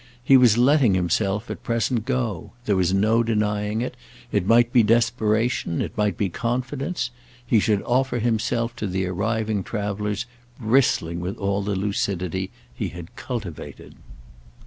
He was letting himself at present, go; there was no denying it; it might be desperation, it might be confidence; he should offer himself to the arriving travellers bristling with all the lucidity he had cultivated.